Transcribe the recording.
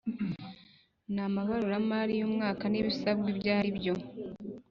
n amabaruramari y umwaka n ibisabwa ibyo ari